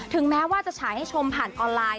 แม้ว่าจะฉายให้ชมผ่านออนไลน์